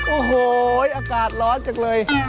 โอ้โหอากาศร้อนจังเลย